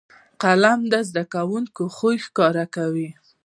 قلم د زده کوونکو خوی ښکاره کوي